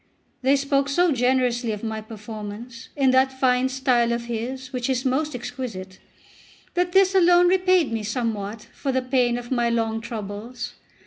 They spoke so generously of my performance, in that fine style of his which is most exquisite, that this alone repaid me somewhat for the pain of my long troubles.